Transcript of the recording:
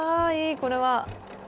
これは。